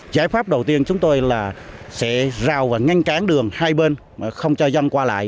giải pháp đầu tiên chúng tôi là sẽ rào và ngăn cản đường hai bên không cho dân qua lại